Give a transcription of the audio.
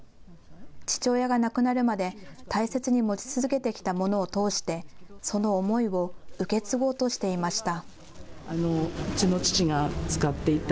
父親が亡くなるまで大切に持ち続けてきたものを通してその思いを受け継ごうとしていました。